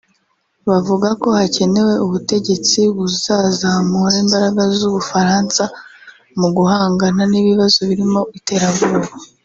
Bavuga ko hakenewe ubutegetsi buzazamura imbaraga z’u Bufaransa mu guhangana n’ibibazo birimo iterabwoba